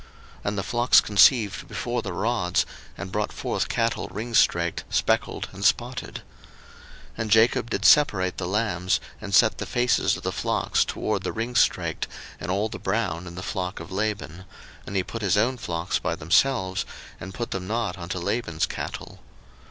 01:030:039 And the flocks conceived before the rods, and brought forth cattle ringstraked, speckled, and spotted. 01:030:040 And Jacob did separate the lambs, and set the faces of the flocks toward the ringstraked, and all the brown in the flock of Laban; and he put his own flocks by themselves, and put them not unto Laban's cattle.